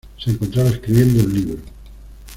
Se encontraba escribiendo un libro.